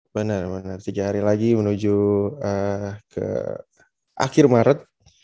benar benar tiga hari lagi menuju ke akhir maret